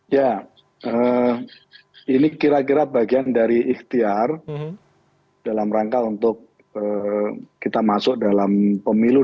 ya ini kira kira bagian dari ikhtiar dalam rangka untuk kita masuk dalam pemilu dua ribu dua puluh